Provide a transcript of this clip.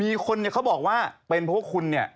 มีคนเขาบอกว่าเป็นเพราะว่าคุณ